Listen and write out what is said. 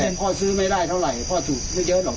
พ่อซื้อไม่ได้เท่าไหร่พ่อถูกไม่เยอะหรอก